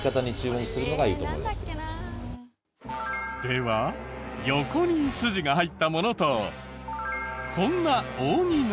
では横にスジが入ったものとこんな扇型。